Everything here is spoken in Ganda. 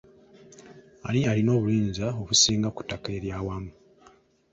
Ani alina obuyinza obusinga ku ttaka ery'awamu?